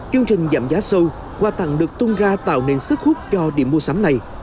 chương trình giảm giá sâu hoa tặng được tung ra tạo nền sức hút cho điểm mua sắm này